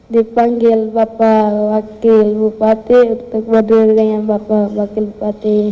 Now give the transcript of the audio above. dipanggil bapak wakil bupati untuk mendirinya bapak wakil bupati